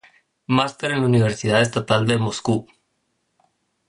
Máster en Universidad Estatal de Moscú.